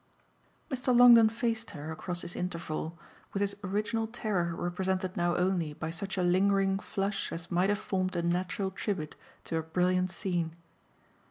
Mr. Longdon faced her, across his interval, with his original terror represented now only by such a lingering flush as might have formed a natural tribute to a brilliant scene.